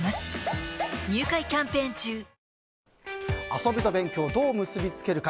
遊びと勉強をどう結び付けるか。